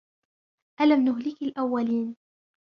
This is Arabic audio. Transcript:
أَلَمْ نُهْلِكِ الْأَوَّلِينَ